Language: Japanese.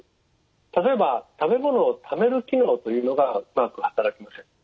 例えば食べ物をためる機能というのがうまくはたらきません。